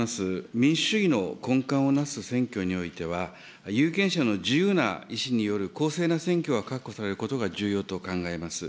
民主主義の根幹をなす選挙においては、有権者の自由な意思による公正な選挙が確保されることが重要と考えます。